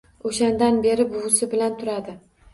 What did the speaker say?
O‘shandan beri buvisi bilan turadi